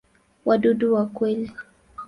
Wadudu wa kweli.